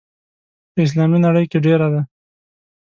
په اسلامي نړۍ کې ډېره ده.